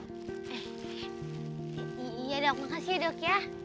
iya dok makasih dok